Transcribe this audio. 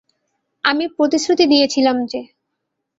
আমি প্রতিশ্রুতি দিয়েছিলাম যে।